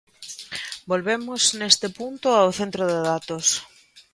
Volvemos neste punto ao centro de datos.